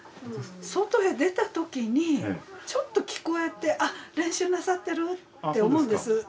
外へ出た時にちょっと聞こえて「あっ練習なさってるわ」って思うんです。